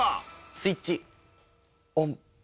スイッチオン。